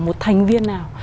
một thành viên nào